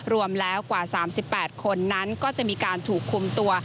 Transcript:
รวมแล้วกว่า๓๘คนนั้นก็จะมีการถูกคุมตัว